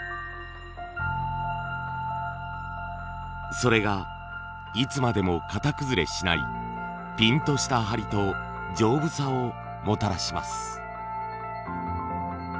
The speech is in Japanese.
それがいつまでも型崩れしないピンとした張りと丈夫さをもたらします。